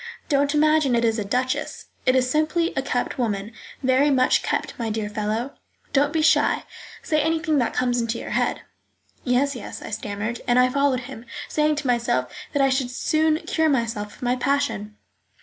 Don't imagine it is a duchess. It is simply a kept woman, very much kept, my dear fellow; don't be shy, say anything that comes into your head." "Yes, yes," I stammered, and I followed him, saying to myself that I should soon cure myself of my passion.